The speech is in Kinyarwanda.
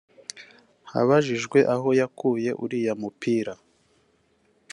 Abajijwe aho yakuye uriya mupira